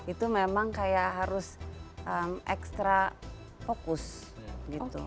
itu memang kayak harus ekstra fokus gitu